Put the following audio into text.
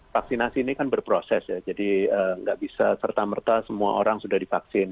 vaksinasi ini kan berproses ya jadi nggak bisa serta merta semua orang sudah divaksin